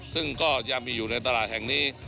ซึ่งก็ยังมีอยู่ในตลาดแห่งนี้